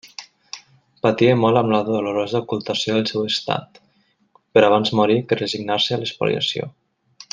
Patia molt amb la dolorosa ocultació del seu estat; però abans morir que resignar-se a l'espoliació.